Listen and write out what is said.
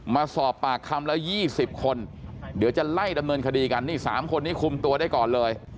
มาสอบปากคำแล้ว๒๐คนเดี๋ยวจะไล่ดำเนินคดีกันนี่๓คนนี้คุมตัวได้ก่อนเลย